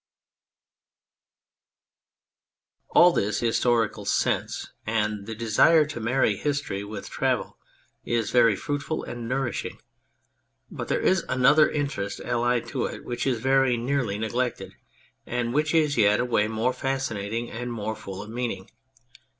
135 On Anything All this historical sense and the desire to marry History with Travel is very fruitful and nourishing, but there is another interest allied to it which is very nearly neglected, and which is yet in a way more fascinating and more full of meaning.